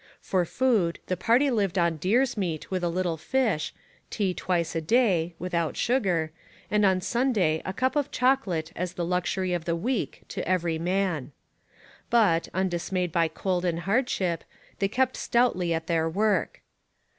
For food the party lived on deer's meat with a little fish, tea twice a day (without sugar), and on Sunday a cup of chocolate as the luxury of the week to every man. But, undismayed by cold and hardship, they kept stoutly at their work.